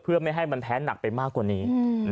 เพื่อไม่ให้มันแพ้หนักไปมากกว่านี้